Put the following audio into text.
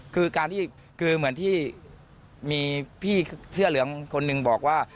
คือเหมือนที่มีพี่เสื้อเหลืองคนหนึ่งบอกว่า